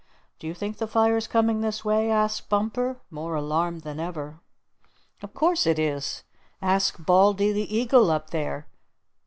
"Do you think the fire's coming this way?" asked Bumper more alarmed than ever. "Of course it is! Ask Baldy the Eagle up there!